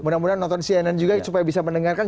mudah mudahan nonton cnn juga supaya bisa mendengarkan